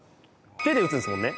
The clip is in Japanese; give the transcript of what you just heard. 手で打つんですもんね？